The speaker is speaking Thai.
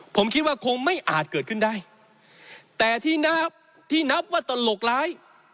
ผมคิดว่าคงไม่อาจเกิดขึ้นได้แต่ที่นับที่นับว่าตลกร้าย